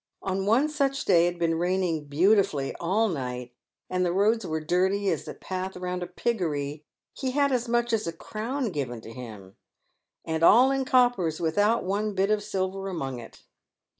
On one such day — it had been raining " beautifully" all night, and the roads were dirty as the path round a piggery — he had as much as a crown given to him, " and all in coppers, without one bit of silver among it."